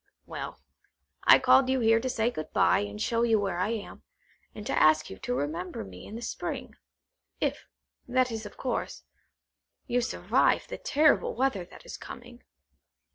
Well, I called you here to say good bye, and show you where I am, and to ask you to remember me in the Spring; if–that is, of course–you survive the terrible weather that is coming.